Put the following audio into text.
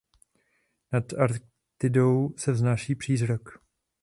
Nad Arktidou se vznáší přízrak.